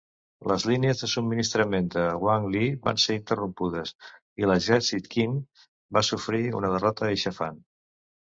Les línies de subministrament de Wang Li van ser interrompudes i l'exèrcit Qin va sofrir una derrota aixafant.